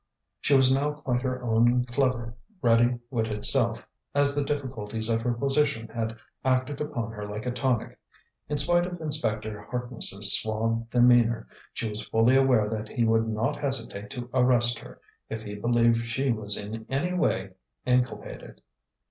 She was now quite her own clever, ready witted self, as the difficulties of her position had acted upon her like a tonic. In spite of Inspector Harkness's suave demeanour, she was fully aware that he would not hesitate to arrest her, if he believed she was in any way inculpated.